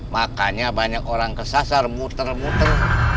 makanya banyak orang kesasar muter muter